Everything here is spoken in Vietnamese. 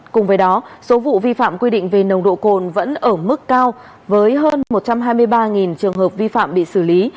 cùng với đó số vụ vi phạm quy định về nồng độ cồn vẫn ở mức cao với hơn một trăm hai mươi ba trường hợp vi phạm bị xử lý